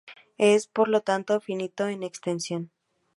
Es, por lo tanto finito en extensión.